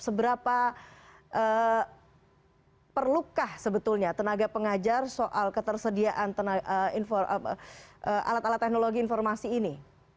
seberapa perlukah sebetulnya tenaga pengajar soal ketersediaan alat alat teknologi informasi ini